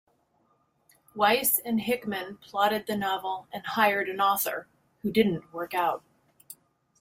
Weis and Hickman plotted the novel and hired an author, who didn't work out.